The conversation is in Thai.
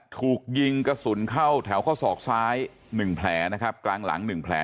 ถูกยิงกระสุนเข้าแถวข้อศอกซ้าย๑แผลนะครับกลางหลัง๑แผล